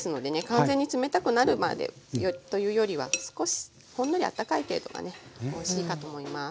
完全に冷たくなるまでというよりは少しほんのりあったかい程度がねおいしいかと思います。